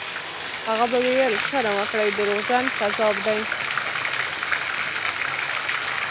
هغه به ویل: «شرم وکړئ! دروغجن، کذاب دی».